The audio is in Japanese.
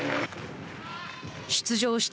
出場した